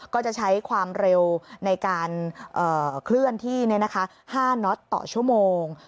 ก็จะใช้ความเร็วในการเคลื่อนที่๕น็อตต่อชั่วโมง